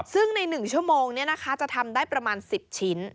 ซึ่งใน๑ชั่วโมงจะทำได้ประมาณ๑๐ชิ้น